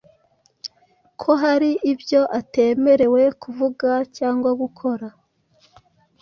ko hari ibyo atemerewe kuvuga cyangwa gukora,